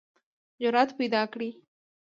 جرئت پیداکړئ